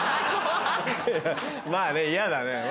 まぁね嫌だね。